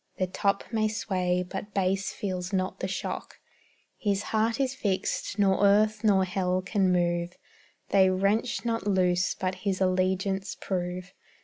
The top may sway, but base feels not the shock; His heart is fixed, nor earth nor hell can move; They wrench not loose, but his allegiance prove.